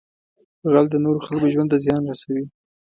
غل د نورو خلکو ژوند ته زیان رسوي